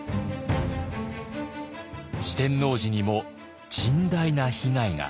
四天王寺にも甚大な被害が。